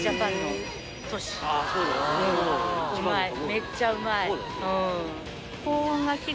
めっちゃうまい。